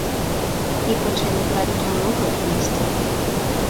І пачалі браць труну, каб несці.